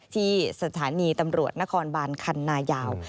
ที่สถานีตำรวจนครบานคันนายาว